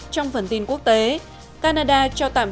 trong phần tin quốc tế canada cho tạm